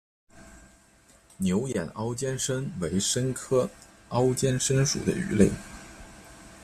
牛眼凹肩鲹为鲹科凹肩鲹属的鱼类。